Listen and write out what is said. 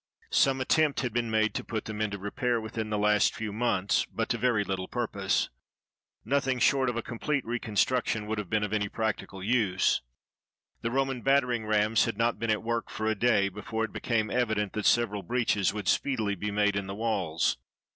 Some attempt had been made to put them into repair within the last few months, but to very little purpose. Nothing short of a complete reconstruction would have been of any practical use. The Roman battering rams had not been at work for a day before it became evi dent that several breaches would speedily be made in the walls.